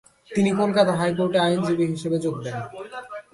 তিনি কোলকাতা হাইকোর্টে আইনজীবী হিসাবে যোগ দেন।